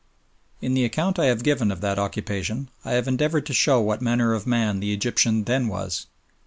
In the account I have given of that occupation, I have endeavoured to show what manner of man the Egyptian then was.